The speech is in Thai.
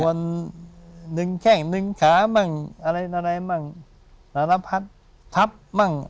กวนหนึ่งแข้งหนึ่งขาบ้างอะไรบ้างหลาระพัดทับบ้าง